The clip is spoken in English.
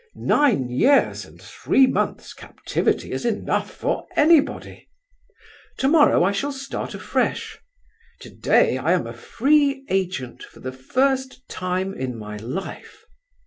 Nine years and three months' captivity is enough for anybody. Tomorrow I shall start afresh—today I am a free agent for the first time in my life.